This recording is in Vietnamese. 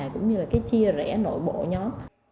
cũng như là cái chia rẽ nội bộ nhóm